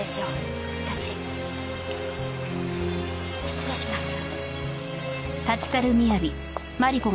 失礼します。